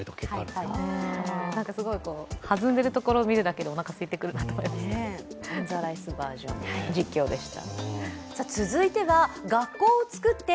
すごくはずんでいるところを見るだけでおなかがすいてくると思いました。